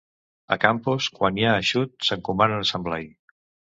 A Campos, quan hi ha eixut, s'encomanen a Sant Blai.